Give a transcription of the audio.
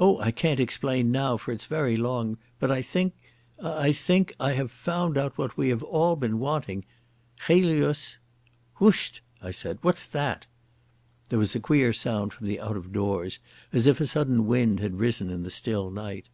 Oh, I can't explain now, for it's very long, but I think—I think—I have found out what we have all been wanting. Chelius...." "Whisht!" I said. "What's that?" There was a queer sound from the out of doors as if a sudden wind had risen in the still night.